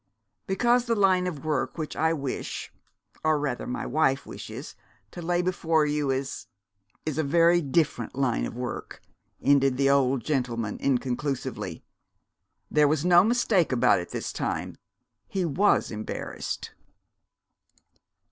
"Because the line of work which I wish, or rather my wife wishes, to lay before you is is a very different line of work!" ended the old gentleman inconclusively. There was no mistake about it this time he was embarrassed.